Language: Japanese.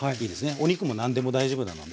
お肉も何でも大丈夫なので。